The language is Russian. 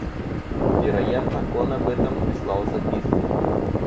Вероятно, он об этом прислал записку.